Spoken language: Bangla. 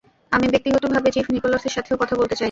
আমি ব্যাক্তিগত ভাবে চিফ নিকলসের সাথেও কথা বলতে চাই।